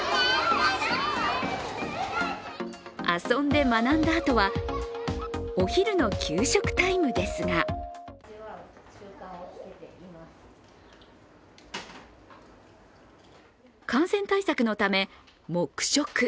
遊んで学んだあとは、お昼の給食タイムですが感染対策のため、黙食。